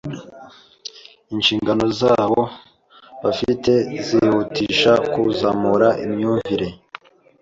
inshingano zabo bafi te zihutisha kuzamura imyumvire,